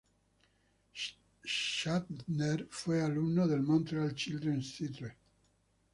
Shatner fue alumno del Montreal Children's Theatre.